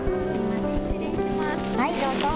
はいどうぞ。